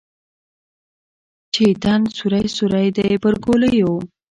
چې یې تن سوری سوری دی پر ګولیو